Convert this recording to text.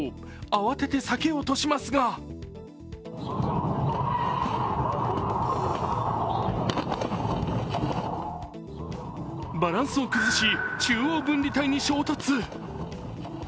慌てて避けようとしますがバランスを崩し、中央分離帯に衝突。